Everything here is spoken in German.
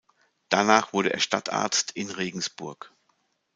Danach wurde er Stadtarzt in Regensburg.